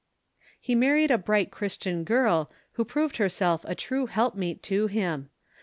He married a bright Christian girl, who proved herself a true helpmeet to him.